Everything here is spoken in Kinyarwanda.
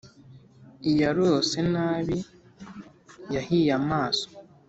Iyarose nabi yahiy'amaso